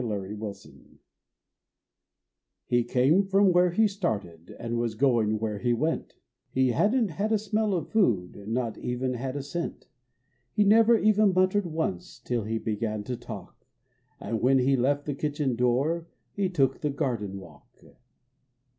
THE TRAMP He came from where he started And was going where he went, lie hadn t had a smell of food. Not even had a scent. He never even muttered once Till he began to talk, And when he left the kitchen door He took the garden walk.